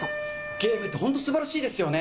ゲームって本当すばらしいですよね。